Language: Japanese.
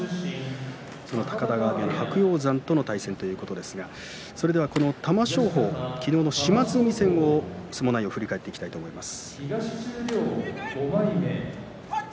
その高田川部屋の白鷹山との対戦ということですがこの玉正鳳、昨日の島津海戦相撲内容を振り返りたいと思います。